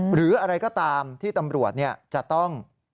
หรืออะไรก็ตามที่ตำรวจจะต้อง